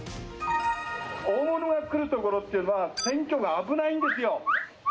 大物が来る所って選挙が危ないんですよ。